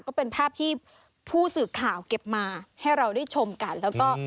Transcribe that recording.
ก็เป็นภาพที่ผู้สื่อข่าวเก็บมาให้เราได้ชมกันแล้วก็